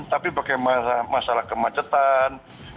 tapi bagaimana masalah kemacetan